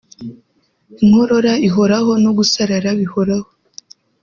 inkorora ihoraho no gusarara bihoraho